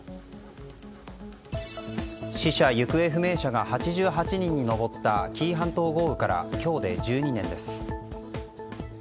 死者・行方不明者が８８人に上った紀伊半島豪雨から今日で１２年です。